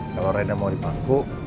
kalo rena mau di pangku